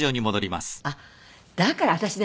あっだから私ね